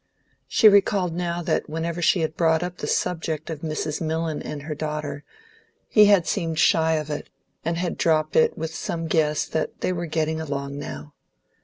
She recalled now that whenever she had brought up the subject of Mrs. Millon and her daughter, he had seemed shy of it, and had dropped it with some guess that they were getting along now.